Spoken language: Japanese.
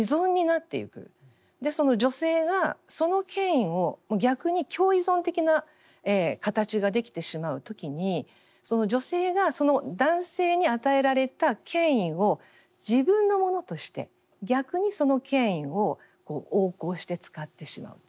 その女性がその権威を逆に共依存的な形ができてしまう時に女性が男性に与えられた権威を自分のものとして逆にその権威を横行して使ってしまうと。